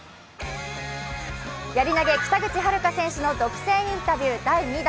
やり投げ、北口榛花選手の独占インタビュー第２弾。